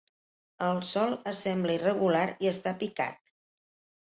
El sòl és sembla irregular i està picat.